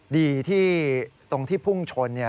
ดีที่ตรงที่พุ่งชน